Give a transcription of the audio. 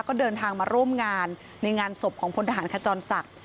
ก็เดินทางมาร่วมงานในงานศพของพลทหารขจรศักดิ์